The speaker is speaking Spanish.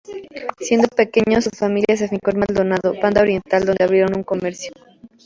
Siendo pequeño su familia se afincó en Maldonado, Banda Oriental, donde abrieron un comercio.